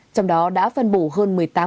trong đó đã phân bủ hơn một mươi tám tháng